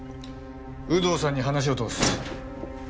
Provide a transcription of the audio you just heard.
有働さんに話を通す。